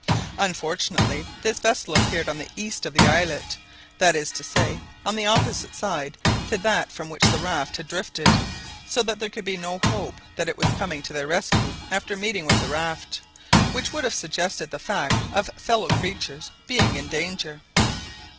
Unfortunately this vessel appeared on the east of the islet, that is to say, on the opposite side to that from which the raft had drifted, so that there could be no hope that it was coming to their rescue after meeting with the raft, which would have suggested the fact of fellow creatures being in danger.